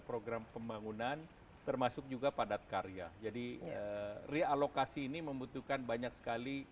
program pembangunan termasuk juga padat karya jadi realokasi ini membutuhkan banyak sekali